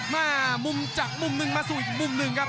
มุมจากมุมหนึ่งมาสู่อีกมุมหนึ่งครับ